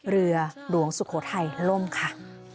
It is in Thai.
เรือหลวงสุโขทัยล่มค่ะ